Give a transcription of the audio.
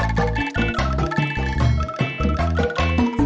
gimana itu bisa lipat dengan milih dulu